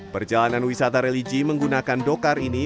perjalanan wisata religi menggunakan dokar ini